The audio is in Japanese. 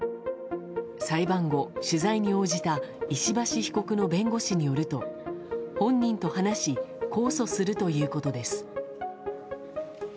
裁判後、取材に応じた石橋被告の弁護士によると本人と話し控訴するということです。